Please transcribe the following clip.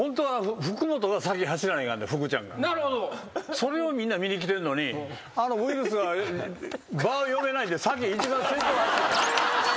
それをみんな見に来てるのにあのウィルスが場読めないんで一番先頭走ってた。